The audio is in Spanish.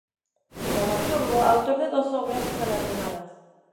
Dramaturgo, autor de dos obras galardonadas.